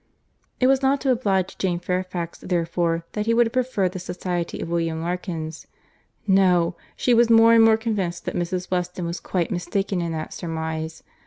It was not to oblige Jane Fairfax therefore that he would have preferred the society of William Larkins. No!—she was more and more convinced that Mrs. Weston was quite mistaken in that surmise.